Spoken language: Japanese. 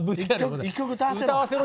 １曲歌わせろ！